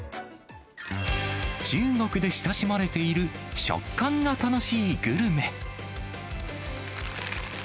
中国で親しまれている、食感が楽しいグルメ。